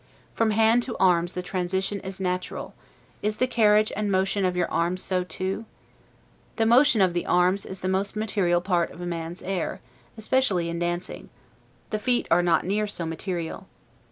From hand to arms the transition is natural; is the carriage and motion of your arms so too? The motion of the arms is the most material part of a man's air, especially in dancing; the feet are not near so material.